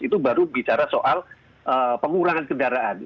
itu baru bicara soal pengurangan kendaraan